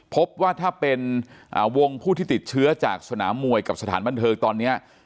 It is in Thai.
พบว่าถ้าเป็นวงผู้ที่ติดเชื้อจากสนามมวยกับสถานบันเทิงตอนนี้